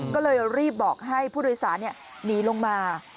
ก็เลยรีบบอกให้ผู้โดยสารหนีลงมา